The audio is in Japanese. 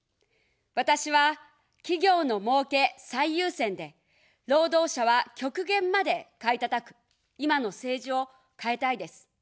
私は、企業のもうけ最優先で、労働者は極限まで買いたたく今の政治を変えたいです。